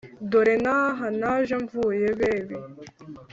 dore n’aha naje mvuye bebi